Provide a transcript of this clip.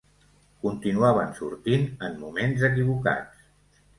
Continuaven sortint en moments equivocats.